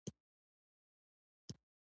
په یو ټیم کې د ټیم موخه د یو کس تر موخې غوره وي.